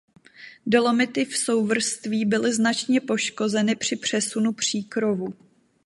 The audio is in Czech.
Dolomity v souvrství byly značně poškozeny při přesunu příkrovu.